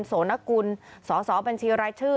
โสนกุลสอสอบัญชีรายชื่อ